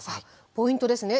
ポイントですね。